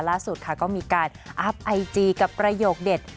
ล่าสุดค่ะก็มีการอัพไอจีกับประโยคเด็ด